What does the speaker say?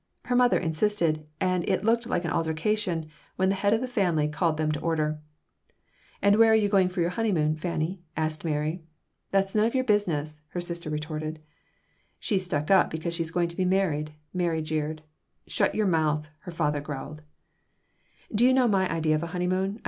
Her mother insisted, and it looked like an altercation, when the head of the family called them to order "And where are you going for your honeymoon, Fanny?" asked Mary "That's none of your business," her sister retorted "She's stuck up because she's going to be married," Mary jeered "Shut your mouth," her father growled "Do you know my idea of a honeymoon?"